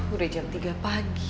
udah jam tiga pagi